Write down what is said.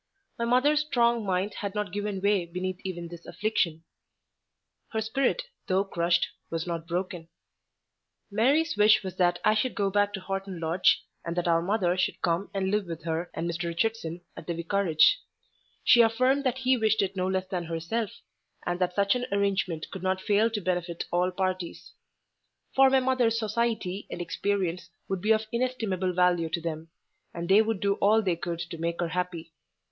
My mother's strong mind had not given way beneath even this affliction: her spirit, though crushed, was not broken. Mary's wish was that I should go back to Horton Lodge, and that our mother should come and live with her and Mr. Richardson at the vicarage: she affirmed that he wished it no less than herself, and that such an arrangement could not fail to benefit all parties; for my mother's society and experience would be of inestimable value to them, and they would do all they could to make her happy.